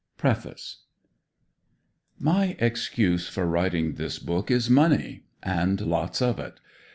PREFACE. My excuse for writing this book is money and lots of it.